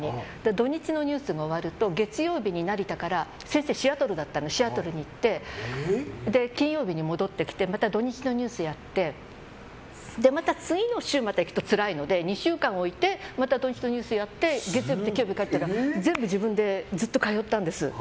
土日のニュースが終わると月曜日に成田から先生はシアトルだったのでシアトルに行って金曜日に戻ってきてまた土日のニュースやってまた次の週に行くとつらいので２週間置いてまた土日のニュースをやって月曜日帰ってきて全部自分でずっと通ったんです。